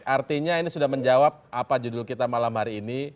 artinya ini sudah menjawab apa judul kita malam hari ini